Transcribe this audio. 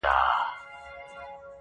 • چي کیسې اورم د هیوادونو -